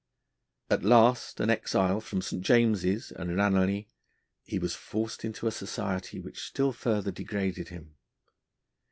At last an exile from St. James's and Ranelagh, he was forced into a society which still further degraded him.